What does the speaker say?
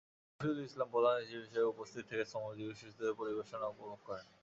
মফিজুল ইসলাম প্রধান অতিথি হিসেবে উপস্থিত থেকে শ্রমজীবী শিশুদের পরিবেশনা উপভোগ করেন।